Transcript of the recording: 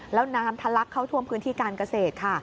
แล้วน้ำทะลักเข้าท่วมพื้นที่การเกษตรค่ะ